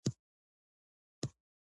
هغه د خزان په سمندر کې د امید څراغ ولید.